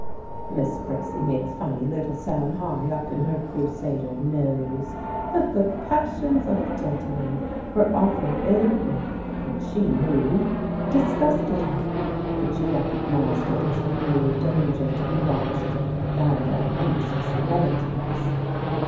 Miss Bracy made a funny little sound high up in her Crusader nose. That the passions of gentlemen were often ill regulated she knew; it disgusted her, but she recognised it as a real danger to be watched by their anxious relatives.